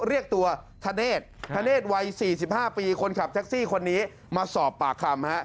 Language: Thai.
เรียกตัวธเนธวัย๔๕ปีคนขับแท็กซี่คนนี้มาสอบปากคำ